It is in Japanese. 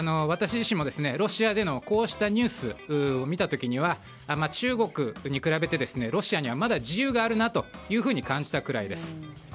私自身もロシアでのこうしたニュースを見た時は中国に比べてロシアにはまだ自由があるなと感じたくらいです。